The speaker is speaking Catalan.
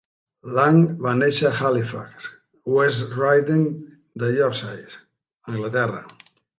Lang va néixer a Halifax, West Riding de Yorkshire, Anglaterra.